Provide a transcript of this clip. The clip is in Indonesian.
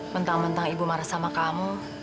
bentang bentang ibu marah sama kamu